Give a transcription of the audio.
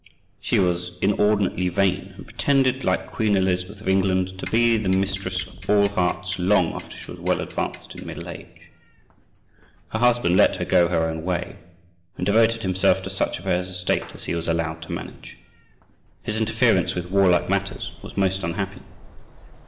She was inordinately vain, and pretended, like Queen Elizabeth of England, to be the mistress of all hearts long after she was well advanced in middle age. Her husband let her go her own way, and devoted himself to such affairs of state as he was allowed to manage. His interference with warlike matters was most unhappy.